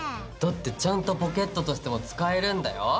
だってちゃんとポケットとしても使えるんだよ。